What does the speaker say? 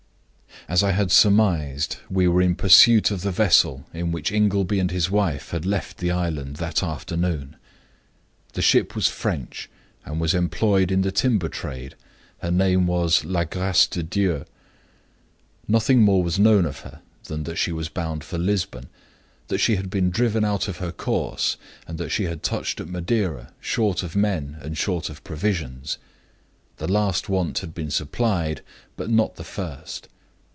"As I had surmised, we were in pursuit of the vessel in which Ingleby and his wife had left the island that afternoon. The ship was French, and was employed in the timber trade: her name was La Grace de Dieu. Nothing more was known of her than that she was bound for Lisbon; that she had been driven out of her course; and that she had touched at Madeira, short of men and short of provisions. The last want had been supplied, but not the first.